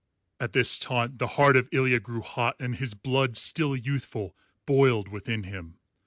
At this taunt the heart of Ilya grew hot and his blood, still youthful, boiled within him.